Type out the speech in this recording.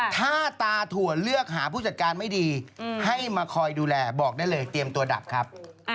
ถ้าตาถั่วเลือกหาผู้จัดการไม่ดีให้มาคอยดูแลบอกได้เลยเตรียมตัวดับครับ